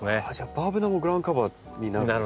バーベナもグラウンドカバーになるんですね。